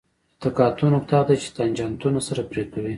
د تقاطع نقطه هغه ده چې تانجانتونه سره پرې کوي